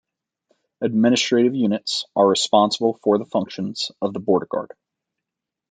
Administrative units are responsible for the functions of the Border Guard.